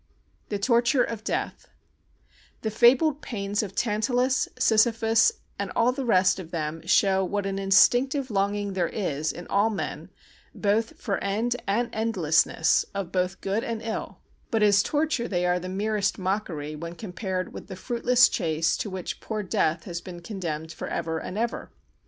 The Torture of Death The fabled pains of Tantalus, Sisyphus and all the rest of them show what an instinctive longing there is in all men both for end and endlessness of both good and ill, but as torture they are the merest mockery when compared with the fruitless chase to which poor Death has been condemned for ever and ever.